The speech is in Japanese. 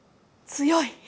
強い。